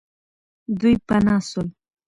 دوی پنا سول.